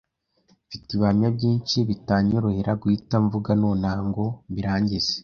mfite ibihamya byinshi bitanyorohera guhita mvuga nonaha ngo mbirangize